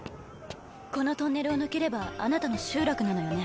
このトンネルを抜ければあなたの集落なのよね？